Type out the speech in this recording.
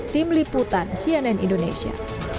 tim liputan cnn indonesia